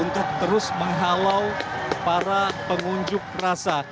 untuk terus menghalau para pengunjuk rasa